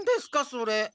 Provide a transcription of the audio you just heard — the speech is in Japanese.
それ。